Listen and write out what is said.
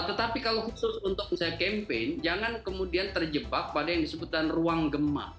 tetapi kalau khusus untuk misalnya campaign jangan kemudian terjebak pada yang disebut ruang gemah